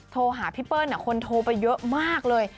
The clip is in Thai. โทรหาพี่เปิ้ลคนโทรไปเยอะมากเลย